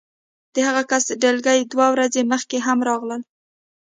د هغه کس ډلګۍ دوه ورځې مخکې هم راغله